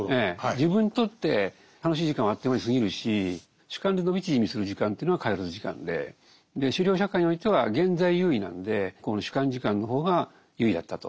自分にとって楽しい時間はあっという間に過ぎるし主観で伸び縮みする時間というのがカイロス時間で狩猟社会においては現在優位なのでこの主観時間の方が優位だったと。